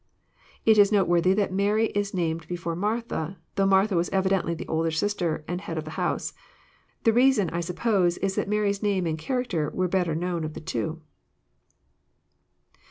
It is noteworthy that Mary is named before Martha, though Martha was evidently the older sister, and head of the house. The reason, I suppose, is that Mary's name and character were better known of the two.